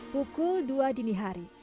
pukul dua dini hari